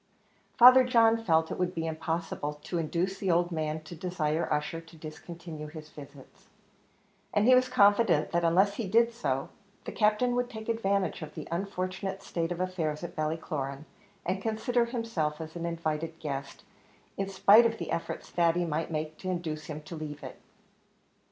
Father John felt it would be impossible to induce the old man to desire Ussher to discontinue his visits, and he was confident that unless he did so, the Captain would take advantage of the unfortunate state of affairs at Ballycloran, and consider himself as an invited guest, in spite of the efforts Thady might make to induce him to leave it.